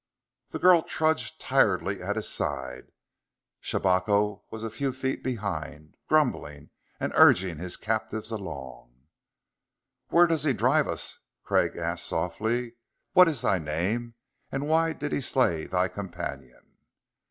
The girl trudged tiredly at his side. Shabako was a few feet behind, grumbling and urging his captives along. "Where does he drive us?" Craig asked softly. "What is thy name and why did he slay thy companion?"